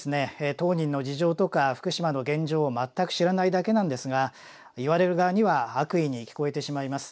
当人の事情とか福島の現状を全く知らないだけなんですが言われる側には悪意に聞こえてしまいます。